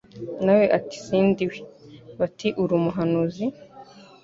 Nawe ati : "Sindi we. - Bati uri umuhanuzi?